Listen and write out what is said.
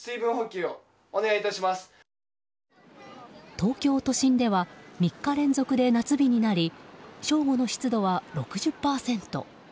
東京都心では３日連続で夏日になり正午の湿度は６０％。